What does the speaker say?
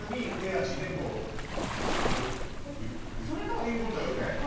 っていうことよね？